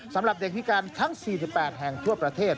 สำหรับเด็กพิการทั้ง๔๘แห่งทั่วประเทศ